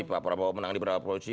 pak prabowo menang di beberapa provinsi